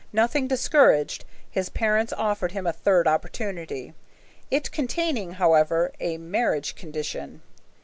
Nothing discouraged, his parents offered him a third opportunity, it containing, however, a marriage condition.